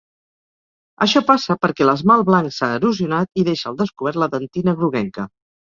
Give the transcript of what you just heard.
Això passa perquè l'esmalt blanc s'ha erosionat i deixa al descobert la dentina groguenca.